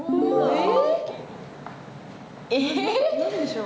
ええ？何でしょう？